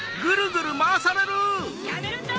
やめるんだ！